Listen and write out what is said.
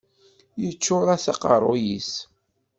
Yeččur-as aqerruy-is.